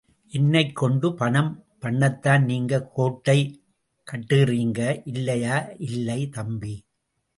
என்னைக் கொண்டு பணம் பண்ணத்தான் நீங்க கோட்டை கட்டுறீங்க, இல்லையா...? இல்லை, தம்பி.